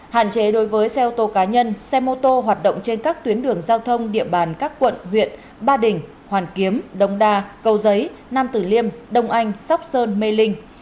hạn chế đối với xe ô tô cá nhân xe mô tô hoạt động trên các tuyến đường giao thông địa bàn các quận huyện ba đình hoàn kiếm đông đa cầu giấy nam tử liêm đông anh sóc sơn mê linh